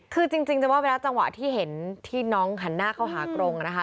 คือจริงจะว่าเวลาจังหวะที่เห็นที่น้องหันหน้าเข้าหากรงนะคะ